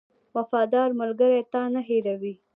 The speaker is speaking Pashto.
• وفادار ملګری تا نه هېروي.